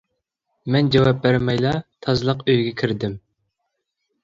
مەن جاۋاب بەرمەيلا تازىلىق ئۆيىگە كىردىم.